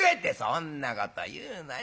「そんなこと言うなよ。